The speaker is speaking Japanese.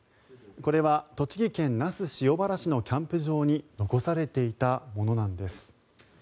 これは栃木県那須塩原市のキャンプ場に残されていたものなんです。